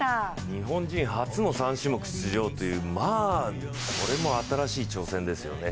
日本人初の３種目出場というこれも新しい挑戦ですよね。